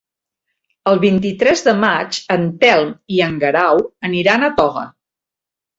El vint-i-tres de maig en Telm i en Guerau aniran a Toga.